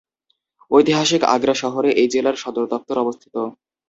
ঐতিহাসিক আগ্রা শহরে এই জেলার সদর দপ্তর অবস্থিত।